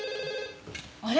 あれ？